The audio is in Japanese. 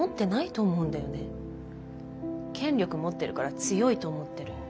権力持ってるから強いと思ってる。